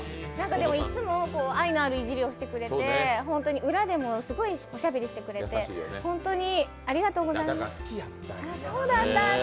いつも愛のあるいじりをしてくれて裏でもすごいおしゃべりしてくれてだから好きやったんだ。